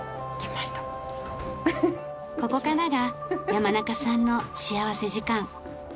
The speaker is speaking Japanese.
ここからが山中さんの幸福時間。